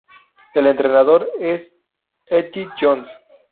El entrenador es Eddie Jones.